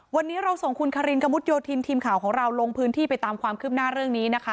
วันนี้เราส่งคุณคารินกระมุดโยธินทีมข่าวของเราลงพื้นที่ไปตามความคืบหน้าเรื่องนี้นะคะ